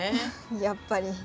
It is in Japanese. やっぱり。